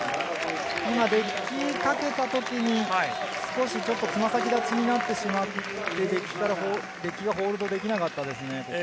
今できかけたときに少し、つま先立ちになってしまって、デッキがホールドできなかったですね。